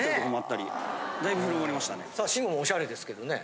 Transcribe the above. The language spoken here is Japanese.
さあ慎吾もおしゃれですけどね。